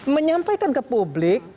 menyampaikan ke publik